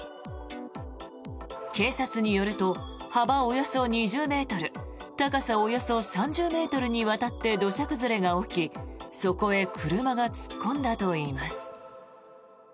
警察によると、幅およそ２０ｍ高さおよそ３０ｍにわたって土砂崩れが起き、そこへ車が突っ込んだといいます。